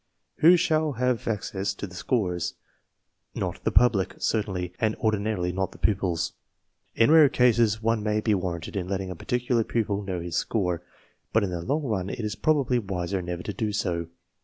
Who shall have access to the scores? Not the public, certainly, and ordinarily hot the pupils. In rare cases one may be warranted in letting a particular pupil know his score, but in the long run it is probably, wiser never to do so.